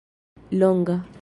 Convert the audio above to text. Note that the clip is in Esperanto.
longa